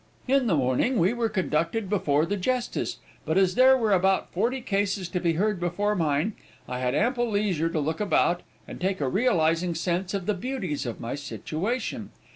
"In the morning we were conducted before the Justice, but as there were about forty cases to be heard before mine, I had ample leisure to look about, and take a realizing sense of the beauties of my situation.